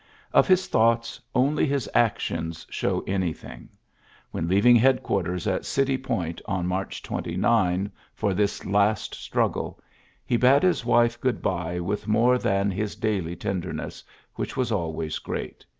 C thoughts, only his actions show any When leaving headquarters at Citj ULYSSES S. GEANT 117 on March 29 ^or this last struggle^ he bade his wife good by with more than his daily tenderness^ which was always great.